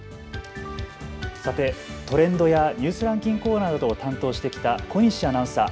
さてトレンドやニュースランキングコーナーなどを担当してきた小西アナウンサー。